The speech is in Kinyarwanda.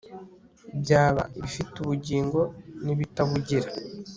byaba ibifite ubugingo n'ibibitabugira